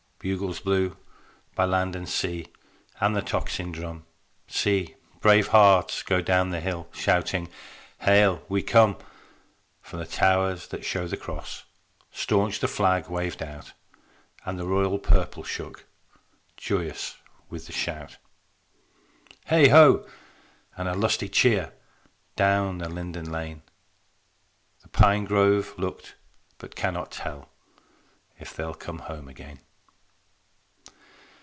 Bugles blew by land and sea, And the tocsin drum; See, brave hearts go down the hill, Shouting, "Hail, we come." From the towers that show the Cross, Staunch the Flag waved out, And the royal Purple shook Joyous with the shout. Heigh ho! And a lusty cheer, Down the linden lane: The pine grove looked but cannot tell If they'll come home again.